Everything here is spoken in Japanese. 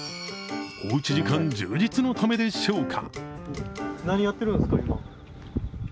おうち時間充実のためでしょうか。